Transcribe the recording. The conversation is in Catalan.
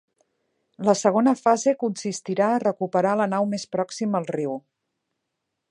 La segona fase consistirà a recuperar la nau més pròxima al riu.